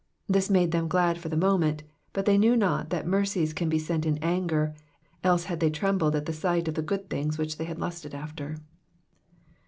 '*^ This made them glad for the moment, but they knew not that mercies can be sent in anger, else had they trembled at sight of the good things which they had lusted after.